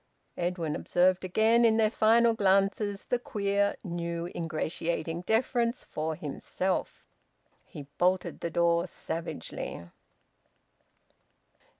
Edwin observed again, in their final glances, the queer, new, ingratiating deference for himself. He bolted the door savagely.